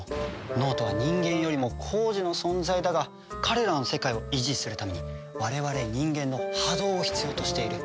脳人は人間よりも高次の存在だが彼らの世界を維持するために我々人間の波動を必要としている。